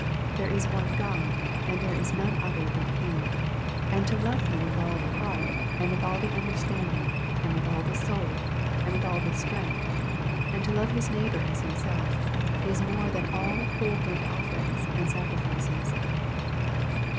" There is one God : and there is none other but He : and to love Him with all the heart, and with all the understanding, and with all the soul, and with all the strength, and to love his neighbor as himself, is more than all whole burnt offerings and sacrifices."